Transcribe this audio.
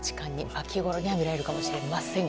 秋ごろには見られるかもしれません。